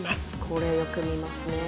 これよく見ますね。